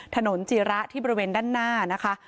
ถนนจีระที่บริเวณด้านหน้านะคะ